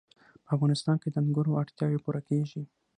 په افغانستان کې د انګورو اړتیاوې پوره کېږي.